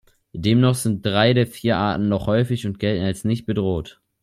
Dennoch sind drei der vier Arten noch häufig und gelten als nicht bedroht.